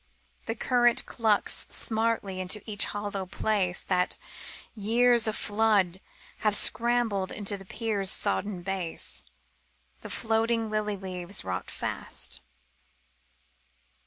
The current clucks smartly into each hollow place That years of flood have scrabbled in the pier's sodden base; The floating lily leaves rot fast.